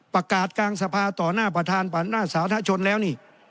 ประกาศกลางสภาต่อหน้าประธานปั่นหน้าสาธารณชนแล้วนี่